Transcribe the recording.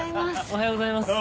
おはようございます。